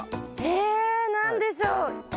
えっ何でしょう？